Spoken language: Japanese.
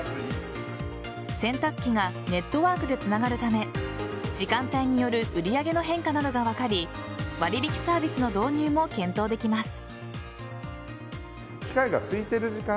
洗濯機がネットワークでつながるため時間帯による売り上げの変化などが分かり割引サービスの導入も検討できます。